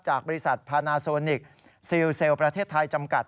บริษัทพานาโซนิกซิลเซลล์ประเทศไทยจำกัด